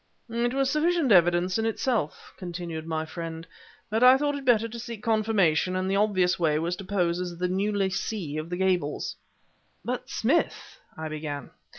"It was sufficient evidence in itself," continued my friend, "but I thought it better to seek confirmation, and the obvious way was to pose as a new lessee of the Gables..." "But, Smith," I began...